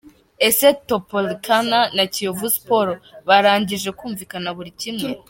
Ese Topolcany na Kiyovu Sport barangije kumvikana buri kimwe?.